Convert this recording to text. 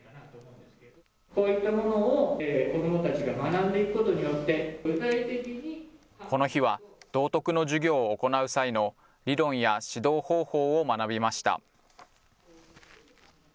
こういったものを子どもたちが学んでいくことによって具体的この日は、道徳の授業を行う際の理論や指導方法を学びました。